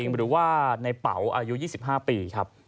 หรือว่าในเป๋าอายุ๒๕ปีครับ